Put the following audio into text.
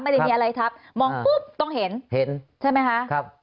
ไม่ได้มีอะไรทับมองปุ๊บต้องเห็นเห็นใช่ไหมคะครับ